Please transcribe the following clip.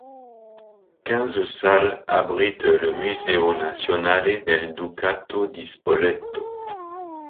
Quinze salles abritent le Museo Nazionale del Ducato di Spoleto.